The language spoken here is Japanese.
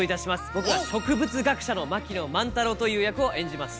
僕は植物学者の槙野万太郎という役を演じます。